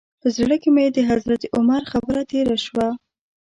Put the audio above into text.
په زړه کې مې د حضرت عمر خبره تېره شوه.